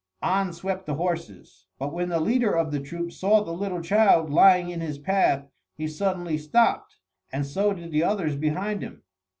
On swept the horses; but when the leader of the troop saw the little child lying in his path, he suddenly stopped, and so did the others behind him.